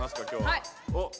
はい！